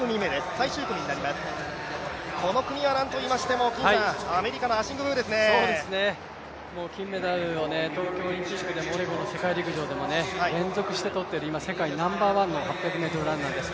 最終組になります、この組はなんといいましてもアメリカの金メダルを東京オリンピックでもオレゴンの世界陸上でも連続でとっている、今、世界ナンバーワンの８００ｍランナーです。